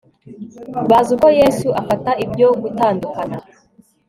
bazi uko yesu afata ibyo gutandukana